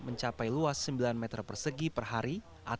mencapai luas sembilan meter persegi per hari